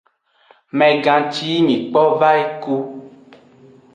Megan ci yi mi kpo vayi ku.